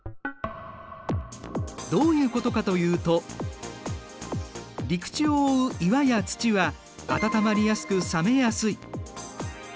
どういうことかというと陸地を覆う岩や土は温まりやすく冷めやすい。